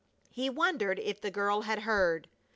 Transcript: He wondered if the girl had heard.